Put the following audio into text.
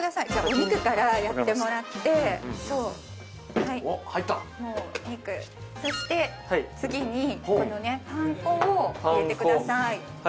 お肉からやってもらってそうそして次にこのパン粉を入れてください